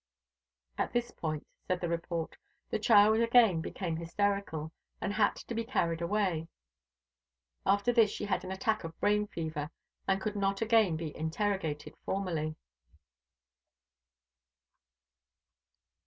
At this point, said the report, the child again became hysterical, and had to be carried away. After this she had an attack of brain fever, and could not again be interrogated formally.